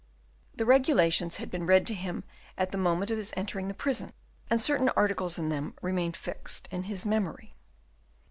The regulations had been read to him at the moment of his entering the prison, and certain articles in them remained fixed in his memory.